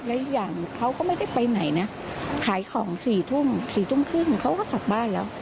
อีกอย่างเขาก็ไม่ไปไหนนะขายของ๔๓๐นเขาก็ขับบ้านแล้ว